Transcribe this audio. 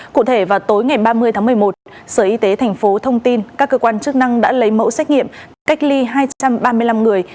cụ thể vào tối ngày ba mươi tháng một mươi một sở y tế tp thông tin các cơ quan chức năng đã lấy mẫu xét nghiệm cách ly hai trăm ba mươi năm người